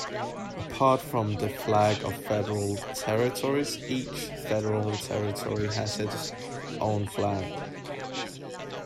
Apart from the flag of Federal Territories, each federal territory has its own flag.